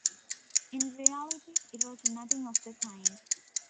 In reality it was nothing of the kind.